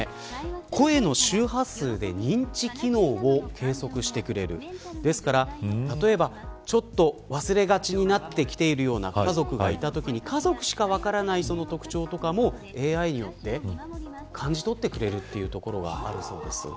声の周波数で認知機能を計測してくれるちょっと忘れがちになっているような家族がいたときに家族しか分からない特徴もＡＩによって感じ取ってくれるというところがあるそうです。